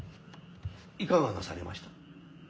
・いかがなされました。